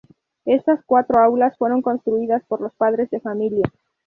Estas cuatro aulas fueron construidas por los padres de familia.